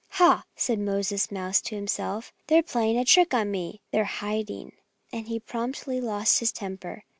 "Ha!" said Moses Mouse to himself. "They're playing a trick on me. They're hiding." And he promptly lost his temper.